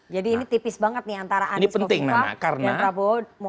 jadi ini tipis banget nih antara anies bofifah dan prabowo caimin